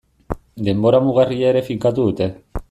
Denbora mugarria ere finkatu dute.